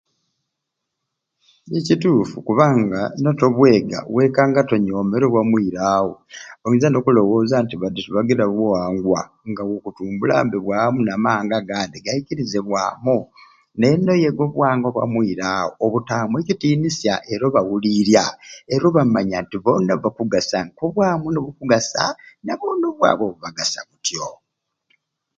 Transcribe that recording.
Eeh kituffu kubanga notabweega wekanga ongomere obwa muirawo oyinza nokulowooza nti badi tibagiira buwangwa nga we okutumbula ngambe bwamu nga okwendya amawanga agandi gaikirizenge bwamu naye noyeega obuwangwa bwamuirawo obutamu ekitinisya era obawuliirya era obamanya nti bona bakugasa nkobwamu nibukugasa nabona obwabwe bubagasa butyo.